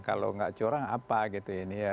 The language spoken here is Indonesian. kalau nggak curang apa gitu ini ya